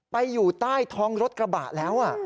อยู่ใต้ท้องรถกระบะแล้ว